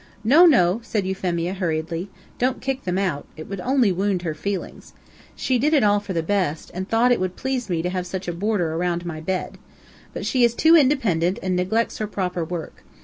"No, no," said Euphemia, hurriedly, "don't kick them out. It would only wound her feelings. She did it all for the best, and thought it would please me to have such a border around my bed. But she is too independent, and neglects her proper work.